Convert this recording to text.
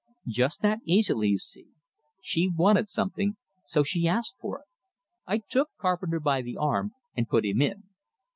Just that easily, you see! She wanted something, so she asked for it! I took Carpenter by the arm and put him in.